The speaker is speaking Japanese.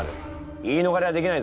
言いのがれはできないぞ。